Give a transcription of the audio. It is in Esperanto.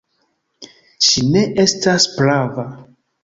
Ŝi ne estas prava.